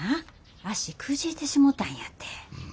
足くじいてしもたんやて。